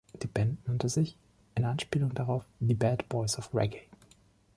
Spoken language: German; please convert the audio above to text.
Die Band nannte sich in Anspielung darauf „The Bad Boys of Reggae“.